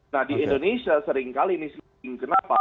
nah di indonesia seringkali ini switching kenapa